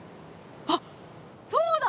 あっそうだ！